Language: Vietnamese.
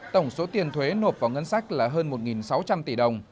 tổng số tiền thuế nộp vào ngân sách là hơn một sáu trăm linh tỷ đồng